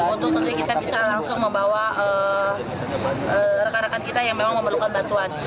untuk tentunya kita bisa langsung membawa rekan rekan kita yang memang memerlukan bantuan